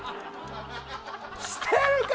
してるか！